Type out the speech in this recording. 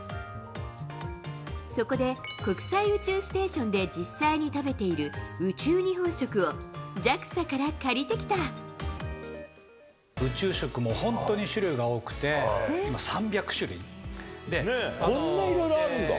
そこで、国際宇宙ステーションで実際に食べている宇宙日本食を、ＪＡＸＡ宇宙食も本当に種類が多くて、こんないろいろあるんだ。